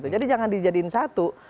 jadi jangan dijadiin satu